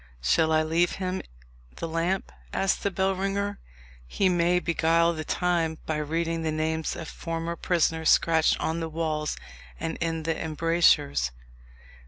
"Shall I leave him the lamp?" asked the bellringer; "he may beguile the time by reading the names of former prisoners scratched on the walls and in the embrasures."